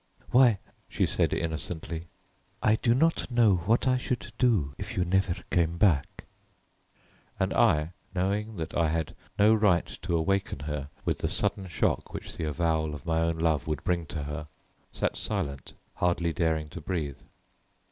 "Why," she said innocently, "I do not know what I should do if you never came back;" and I, knowing that I had no right to awaken her with the sudden shock which the avowal of my own love would bring to her, sat silent, hardly daring to breathe.